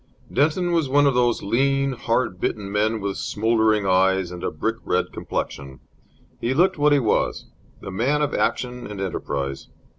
Denton was one of those lean, hard bitten men with smouldering eyes and a brick red complexion. He looked what he was, the man of action and enterprise.